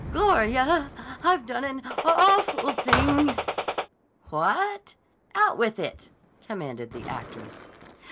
"Gloria, I've done an awful thing!" "What? Out with it," commanded the actress.